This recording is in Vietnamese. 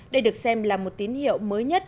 đây được xem là một tín hiệu mới nhất